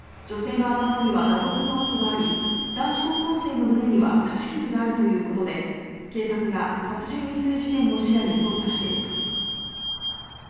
女性の頭には打撲の痕があり男子高校生の胸には刺し傷があるということで警察が殺人未遂事件も視野に捜査しています。